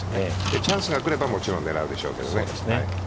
チャンスがくればもちろん狙うでしょうけどね。